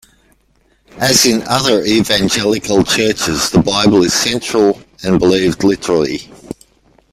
As in other evangelical churches, the Bible is central and believed literally.